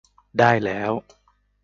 ได้แล้ว